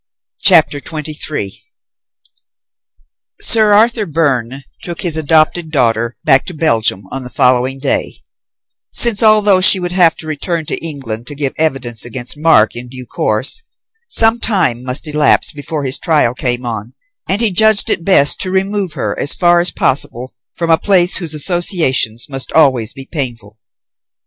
CHAPTER XXIII Sir Arthur Byrne took his adopted daughter back to Belgium on the following day, since, although she would have to return to England to give evidence against Mark in due course, some time must elapse before his trial came on, and he judged it best to remove her as far as possible from a place whose associations must always be painful.